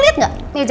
lu apaan sih